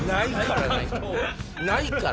ないから！